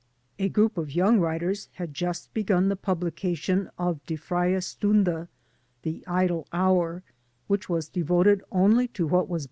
A group of young writers had just begun the publication of Die Freie Stunde (The Idle Hour), which was devoted only to what was b.